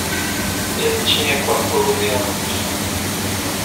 Ele tinha quatorze anos.